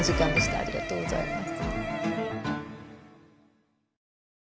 ありがとうございます。